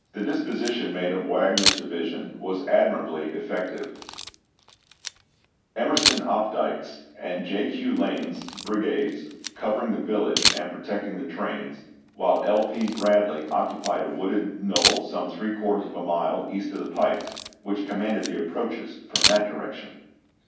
The disposition made of Wagner's division was admirably effective ; Emerson Opdycke's and J. Q. Lane's brigades covering the village and protecting the trains, while L. P. Bradley occupied a wooded knoll some three quarters of a mile east of the pike, which commanded the approaches from that direc tion.